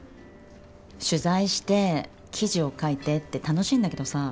取材して記事を書いてって楽しいんだけどさ